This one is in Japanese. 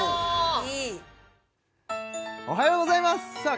いいおはようございますさあ